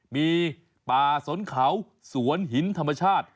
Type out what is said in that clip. มีป่าสนเขาสวนหินธรรมชาติ